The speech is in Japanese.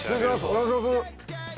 お願いします。